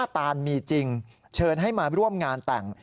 ตานมีจริงเชิญให้มาร่วมงานแต่ง